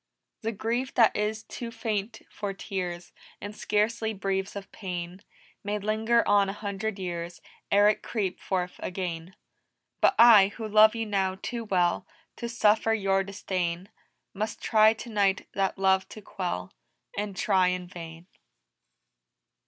"The grief that is too faint for tears, And scarcely breathes of pain, May linger on a hundred years Ere it creep forth again. But I, who love you now too well To suffer your disdain, Must try tonight that love to quell And try in vain!"